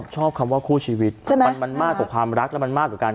ชอบคำว่าคู่ชีวิตมันมากกว่าความรักแล้วมันมากกว่ากัน